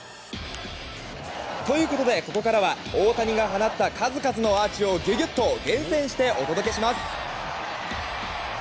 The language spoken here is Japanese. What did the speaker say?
ということで、ここからは大谷が放った数々のアーチをギュギュっと厳選してお届けします。